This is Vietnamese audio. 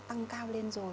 tăng cao lên rồi